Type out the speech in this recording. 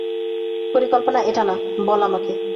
পরিকল্পনা এটা না, বল আমাকে।